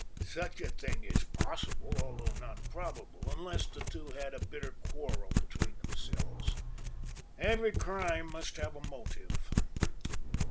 "Such a thing is possible, although not probable, unless the two had a bitter quarrel between themselves. Every crime must have a motive.